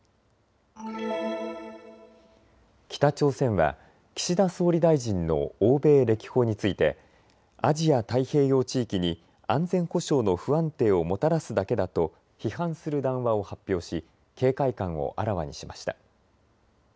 北朝鮮は岸田総理大臣の欧米歴訪についてアジア太平洋地域に安全保障の不安定をもたらすだけだと批判する談話を発表し警戒感をあらわにしました。